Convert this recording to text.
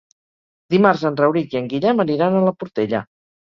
Dimarts en Rauric i en Guillem aniran a la Portella.